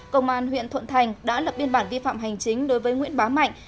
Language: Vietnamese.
công an huyện thuận thành đã lập biên bản vi phạm hành chính đối với nguyễn bá mạnh